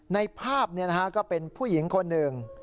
ในภาพก็เป็นผู้หญิงคนหนึ่ง